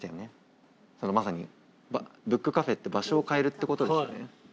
まさにブックカフェって場所を変えるってことですよね。